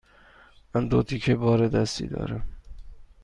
من دو تکه بار دستی دارم.